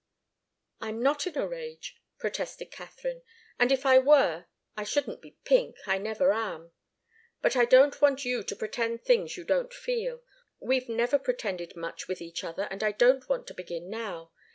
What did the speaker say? "I'm not in a rage," protested Katharine. "And if I were, I shouldn't be pink I never am. But I don't want you to pretend things you don't feel. We've never pretended much with each other, and I don't want to begin now.